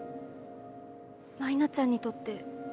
舞菜ちゃんにとってえりぴよ